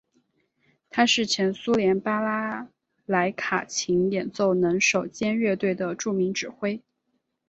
他是前苏联巴拉莱卡琴演奏能手兼乐队的著名指挥。